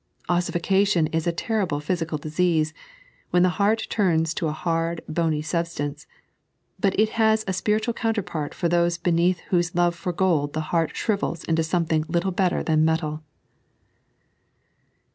Ossification is a terrible physical disease, when the heart turns to a bard, bony substance ; but it has a spiritual counterpart for those beneath whose love for gold the heart shrivels into something little better than metal.